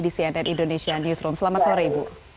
di cnn indonesia newsroom selamat sore ibu